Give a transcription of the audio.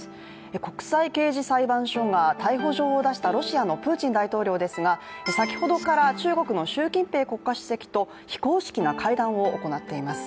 国際刑事裁判所が逮捕状を出したロシアのプーチン大統領ですが先ほどから中国の習近平国家主席と非公式な会談を行っています。